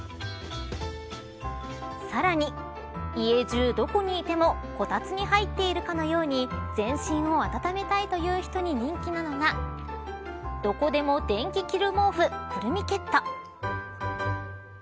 さらに、家中どこにいてもこたつに入っているかのように全身を温めたいという人に人気なのがどこでも電気着る毛布くるみケット。